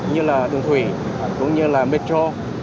như là thường thủy cũng như là metro